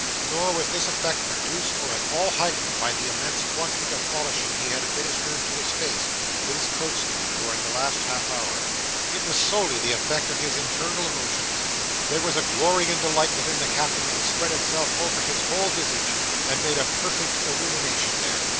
Nor was this effect produced or at all heightened by the immense quantity of polishing he had administered to his face with his coat sleeve during the last half hour. It was solely the effect of his internal emotions. There was a glory and delight within the Captain that spread itself over his whole visage, and made a perfect illumination there.